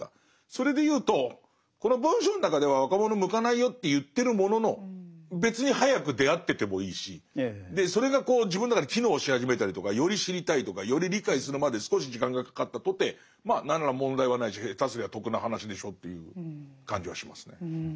それで言うとこの文章の中では若者に向かないよって言ってるものの別に早く出会っててもいいしそれが自分の中で機能し始めたりとかより知りたいとかより理解するまで少し時間がかかったとてまあ何ら問題はないし下手すりゃ得な話でしょという感じはしますね。